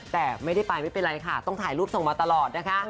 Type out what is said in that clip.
แต่ไม่ได้ไปไม่เป็นไรค่ะต้องถ่ายรูปส่งมาตลอดนะคะ